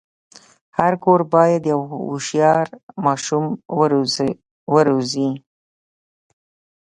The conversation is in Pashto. هر کور باید یو هوښیار ماشوم وروزي.